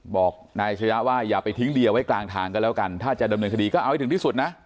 บอกนายอาชญะว่าอย่าไปทิ้งเดียไว้กลางทางก็แล้วกันถ้าจะดำเนินคดีก็เอาให้ถึงที่สุดนะ